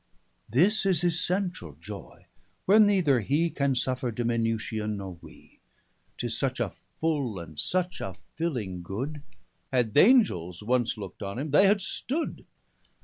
This is essentiall joy, where neither hee Can suffer diminution, nor wee; 'Tis such a full, and such a filling good; 445 Had th'Angels once look'd on him, they had stood.